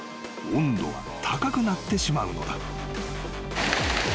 温度は高くなってしまうのだ］